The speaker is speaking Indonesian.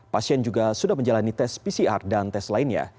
pasien juga sudah menjalani tes pcr dan tes lainnya